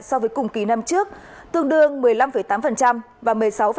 so với cùng kỳ năm trước tương đương một mươi năm tám và một mươi sáu tám